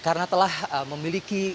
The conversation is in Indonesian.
karena telah memiliki